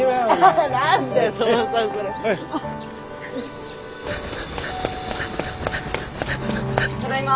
ただいま。